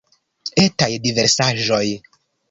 Etaj diversaĵoj.